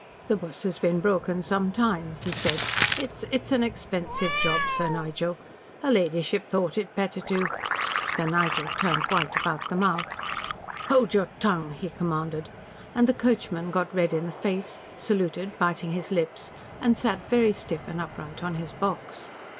"The bus has been broken some time," he said. "It's it's an expensive job, Sir Nigel. Her ladyship thought it better to " Sir Nigel turned white about the mouth. "Hold your tongue," he commanded, and the coachman got red in the face, saluted, biting his lips, and sat very stiff and upright on his box.